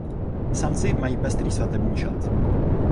Samci mají pestrý svatební šat.